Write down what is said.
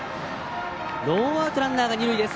ノーアウト、ランナーが二塁です。